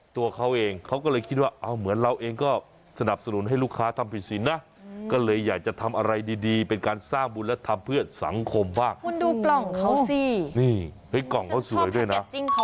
ตัวเขาเองเขาก็เลยคิดว่าอ้าวเหมือนเราเองก็สนับสนุนให้ลูกค้าทำผิดสินนะ